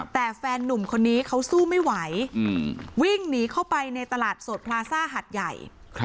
แต่แฟนนุ่มคนนี้เขาสู้ไม่ไหววิ่งหนีเข้าไปในตลาดสดพลาซ่าหัดใหญ่